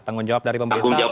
tanggung jawab dari pemerintah